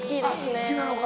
好きなのか。